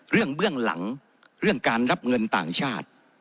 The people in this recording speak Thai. เบื้องหลังเรื่องการรับเงินต่างชาติ